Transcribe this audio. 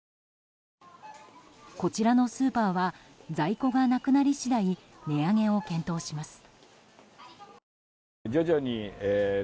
こちらのスーパーは在庫がなくなり次第値上げを検討します。